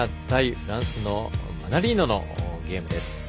フランスのマナリーノのゲーム。